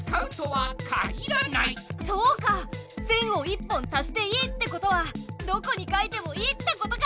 線を１本足していいってことはどこに書いてもいいってことか！